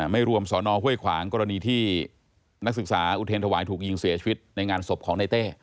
ไม่รวมสอนอห้วยขวางกรณีที่นักศึกษาอุเทรนถวายถูกยิงเสียชีวิตในงานศพของในเต้